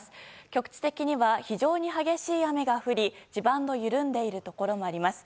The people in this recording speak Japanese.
局地的には非常に激しい雨が降り地盤の緩んでいるところもあります。